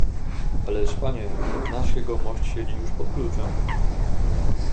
"Ależ, panie, nasz jegomość siedzi już pod kluczem!"